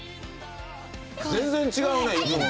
全然違うね